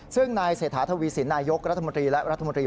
ซึ่งนายเศรษฐาทวีสินนายกรัฐมนตรีและรัฐมนตรี